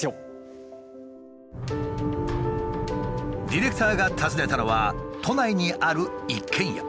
ディレクターが訪ねたのは都内にある一軒家。